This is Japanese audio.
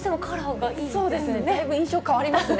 だいぶ印象変わりますよね。